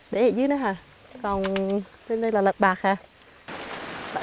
để ở dưới đó hả còn trên đây là lật bạc hả